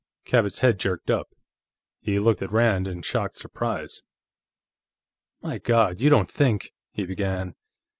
Cabot's head jerked up; he looked at Rand in shocked surprise. "My God, you don't think...?" he began.